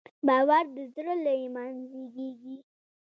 باور د زړه له ایمان زېږېږي.